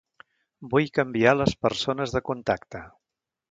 Vull canviar les persones de contacte.